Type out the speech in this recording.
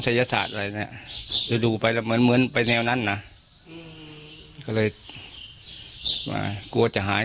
ศาสตร์อะไรเนี่ยแล้วดูไปแล้วเหมือนเหมือนไปแนวนั้นนะก็เลยกลัวจะหาย